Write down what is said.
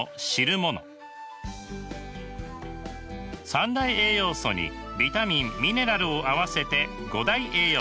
三大栄養素にビタミンミネラルを合わせて五大栄養素。